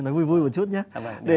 nói vui vui một chút nhé